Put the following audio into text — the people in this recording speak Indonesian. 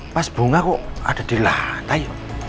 pas bunga kok ada di lantai